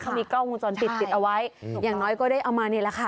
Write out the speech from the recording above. เขามีกล้องวงจรปิดติดเอาไว้อย่างน้อยก็ได้เอามานี่แหละค่ะ